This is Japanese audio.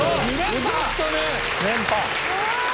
よかったね！